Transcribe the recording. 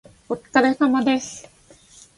お疲れ様です